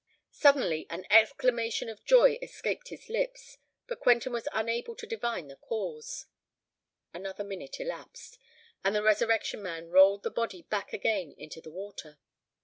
Suddenly an exclamation of joy escaped his lips; but Quentin was unable to divine the cause. Another minute elapsed; and the Resurrection Man rolled the body back again into the water.